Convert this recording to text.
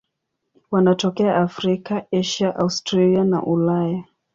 Wanatokea Afrika, Asia, Australia na Ulaya.